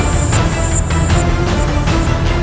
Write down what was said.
tuhan yang terbaik